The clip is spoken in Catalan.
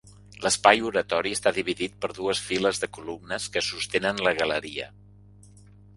L'espai oratori està dividit per dues files de columnes que sostenen la galeria.